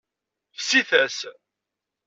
Fsit-as.